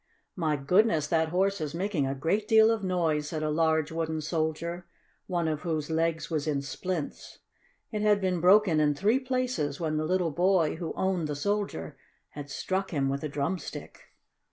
"My goodness, that Horse is making a great deal of noise," said a large Wooden Soldier, one of whose legs was in splints. It had been broken in three places when the little boy, who owned the Soldier, had struck him with a drumstick.